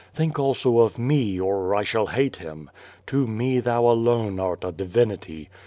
Think also of me, or 1 shall hate Him. To me thou alone art a divinity.